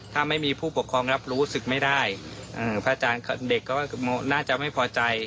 ถ้าไม่มีผู้ปกครองรับรู้สึกไม่ได้พระอาจารย์เด็กก็น่าจะไม่พอใจ